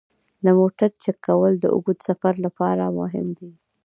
د موټر چک کول د اوږده سفر لپاره مهم دي.